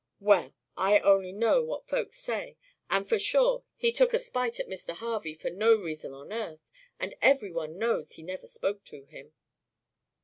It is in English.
"Well! I only know what folks say. And, for sure, he took a spite at Mr. Harvey for no reason on earth; and every one knows he never spoke to him."